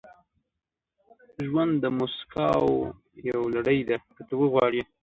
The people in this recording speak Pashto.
• ژوند د موسکاو یوه لړۍ ده، که ته وغواړې.